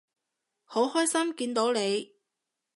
好開心見到你